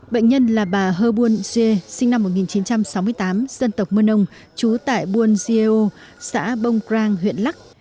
bệnh nhân là bà hơ buôn dê sinh năm một nghìn chín trăm sáu mươi tám dân tộc mơn ông trú tại buôn dêu xã bông crang huyện lắk